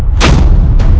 kalian akan dipukul